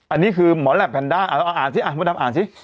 อันนี้คือหมอแหลปแพนด้าเราอ่านสิมดดำอ่านสิ